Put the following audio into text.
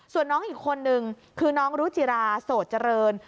ส่วนน้องอีกคนนึงคือน้องรุจิราโสดเจริญ